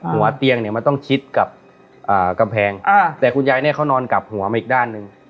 หัวเตียงเนี่ยมันต้องชิดกับกำแพงแต่คุณยายเนี่ยเขานอนกลับหัวมาอีกด้านหนึ่ง